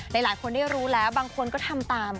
หลายคนได้รู้แล้วบางคนก็ทำตาม